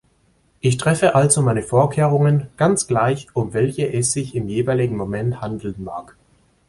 Ich treffe also meine Vorkehrungen – ganz gleich, um welche es sich im jeweiligen Moment handeln mag.